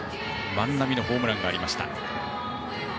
万波のホームランがありました。